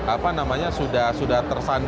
apa namanya sudah tersandra kasusnya ini ya